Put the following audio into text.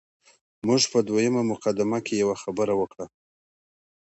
موږ په دویمه مقدمه کې یوه خبره وکړه.